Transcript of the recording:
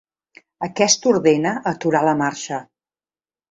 Aquest ordena aturar la marxa.